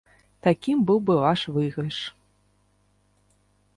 Такім бы быў ваш выйгрыш.